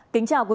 chào các bạn